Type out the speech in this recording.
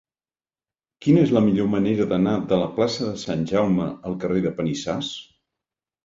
Quina és la millor manera d'anar de la plaça de Sant Jaume al carrer de Panissars?